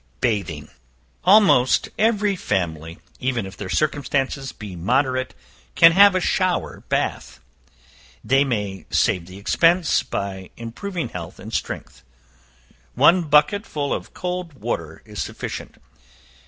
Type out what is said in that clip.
Bathing. Almost every family, even if their circumstances be moderate, can have a shower bath; they may save the expense, by improved health and strength; one bucket full of cold water is sufficient.